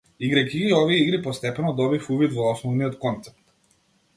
Играјќи ги овие игри постепено добив увид во основниот концепт.